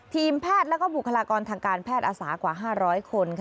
ทีมแพทย์และบุคลากรทางการแพทย์อาสากว่า๕๐๐คน